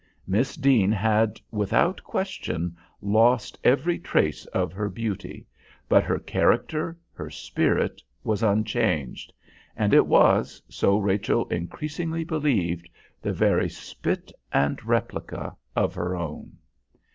Miss Deane had, without question, lost every trace of her beauty; but her character, her spirit was unchanged, and it was, so Rachel increasingly believed, the very spit and replica of her own.